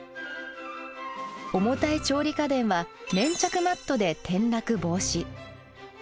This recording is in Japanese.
重たい調理家電は粘着マットで転落防止。